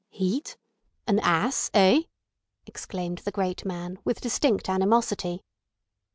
Heat? An ass—eh?" exclaimed the great man, with distinct animosity.